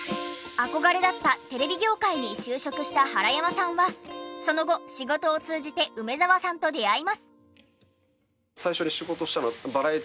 憧れだったテレビ業界に就職した原山さんはその後仕事を通じて梅沢さんと出会います。